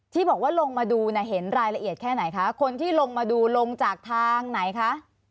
ที่บอกว่าลงมาดูเนี่ยเห็นรายละเอียดแค่ไหนคะคนที่ลงมาดูลงจากทางไหนคะ